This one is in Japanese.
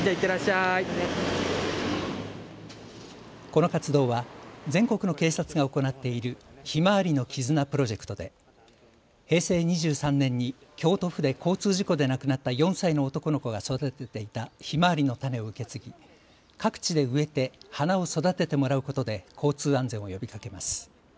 この活動は全国の警察が行っているひまわりの絆プロジェクトで平成２３年に京都府で交通事故で亡くなった４歳の男の子が育てていたひまわりの種を受け継ぎ、各地で植えて花を育ててもらうことで交通安全を呼びかけます。